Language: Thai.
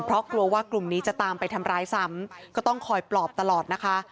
เพราะกลัวว่ากลุ่มนี้จะตามไปทำร้ายซ้ำก็ต้องคอยปลอบตลอดนะคะ